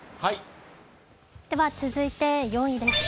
続いて４位です。